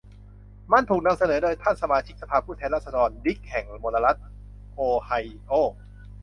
มันถูกนำเสนอโดยท่าน สมาชิกสภาผู้แทนราษฎร ดิ๊ก แห่งมลรัฐโอไฮโอ